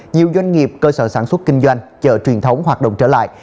nhiều doanh nghiệp cơ sở sản xuất kinh doanh chợ truyền thống hoạt động trở lại